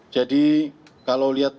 jadi kalau lihat